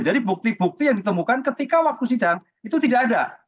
jadi bukti bukti yang ditemukan ketika waktu sidang itu tidak ada